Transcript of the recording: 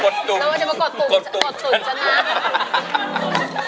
เราจะมากดตุ่มฉันนะ